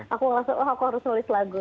aku langsung oh aku harus nulis lagu